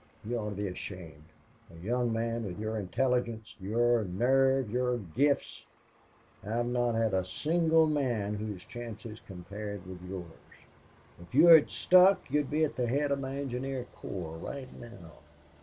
You ought to be ashamed. A young man with your intelligence, your nerve, your gifts! I have not had a single man whose chances compared with yours. If you had stuck you'd be at the head of my engineer corps right now.